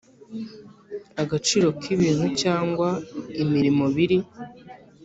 agaciro k ibintu cyangwa imirimo biri